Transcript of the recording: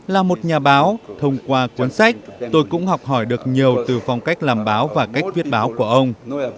là một nhà báo thông qua cuốn sách tôi cũng học hỏi được nhiều từ phong cách làm báo và cách viết báo của ông